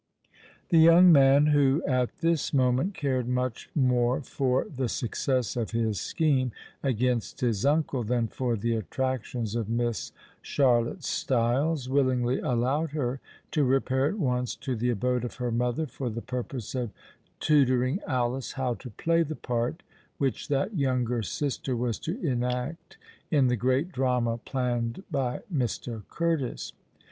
The young man, who at this moment cared much more for the success of his scheme against his uncle than for the attractions of Miss Charlotte Styles, willingly allowed her to repair at once to the abode of her mother for the purpose of tutoring Alice how to play the part which that younger sister was to enact in the great drama planned by Mr. Curtis.